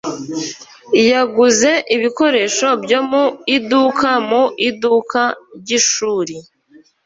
Yaguze ibikoresho byo mu iduka mu iduka ry’ishuri.